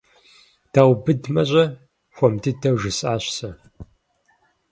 Даубыдмэ-щэ? - хуэм дыдэу жысӀащ сэ.